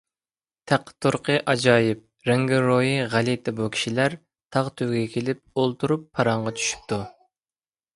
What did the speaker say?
تەق - تۇرقى ئاجايىپ، رەڭگىرويى غەلىتە بۇ كىشىلەر تاغ تۈۋىگە كېلىپ ئولتۇرۇپ پاراڭغا چۈشۈپتۇ.